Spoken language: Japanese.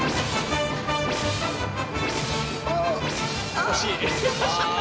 惜しい。